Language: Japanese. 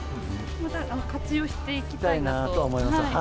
また活用していきたいなと思います。